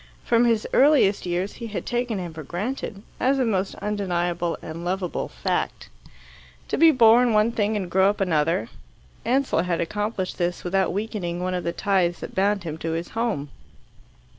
From his earliest years he had taken him for granted, as a most undeniable and lovable fact. To be born one thing and grow up another Ansell had accomplished this without weakening one of the ties that bound him to his home.